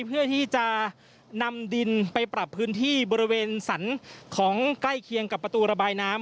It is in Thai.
เพื่อที่จะนำดินไปปรับพื้นที่บริเวณสรรของใกล้เคียงกับประตูระบายน้ำ